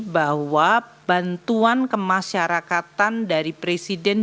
bahwa bantuan kemasyarakatan dari presiden